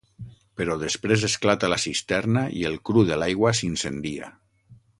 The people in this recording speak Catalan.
Però després esclata la cisterna i el cru de l'aigua s'incendia.